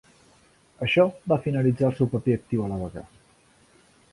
Això va finalitzar el seu paper actiu a la vaga.